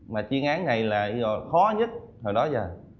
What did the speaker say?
mà chuyên án này là khó nhất hồi đó giờ